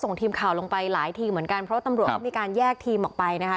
ส่งทีมข่าวลงไปหลายทีเหมือนกันเพราะว่าตำรวจเขามีการแยกทีมออกไปนะคะ